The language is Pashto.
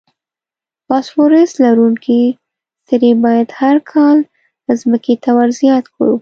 فاسفورس لرونکي سرې باید هر کال ځمکې ته ور زیات کړو.